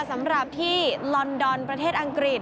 สำหรับที่ลอนดอนประเทศอังกฤษ